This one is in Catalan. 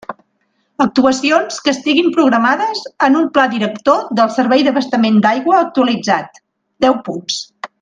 Actuacions que estiguin programades en un Pla director del servei d'abastament d'aigua actualitzat: deu punts.